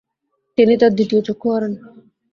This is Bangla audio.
তিনি তার দ্বিতীয় চক্ষু হারান।